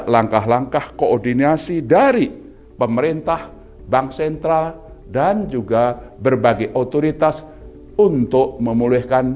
langkah langkah koordinasi dari pemerintah bank sentral dan juga berbagai otoritas untuk memulihkan